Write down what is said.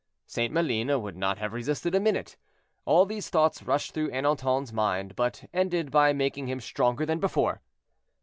St. Maline would not have resisted a minute. All these thoughts rushed through Ernanton's mind, but ended by making him stronger than before.